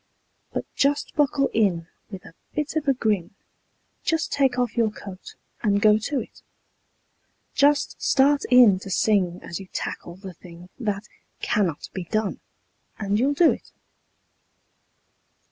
But just buckle in with a bit of a grin, Just take off your coat and go to it; Just start in to sing as you tackle the thing That "cannot be done," and you'll do it.